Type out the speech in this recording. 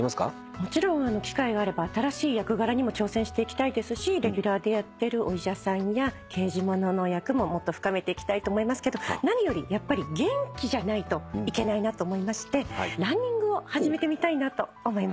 もちろん機会があれば新しい役柄にも挑戦していきたいですしレギュラーでやってるお医者さんや刑事物の役ももっと深めていきたいと思いますけど何よりやっぱり元気じゃないといけないなと思いましてランニングを始めてみたいなと思います。